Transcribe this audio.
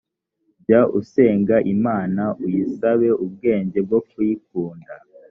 jya usenga imana uyisaba ubwenge bwo kuyikunda